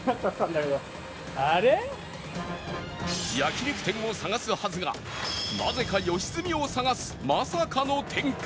焼肉店を探すはずがなぜか良純を探すまさかの展開に